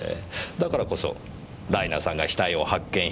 だからこそライナさんが死体を発見した直後